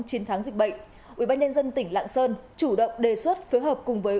chiến thắng dịch bệnh ubnd tỉnh lạng sơn chủ động đề xuất phối hợp cùng với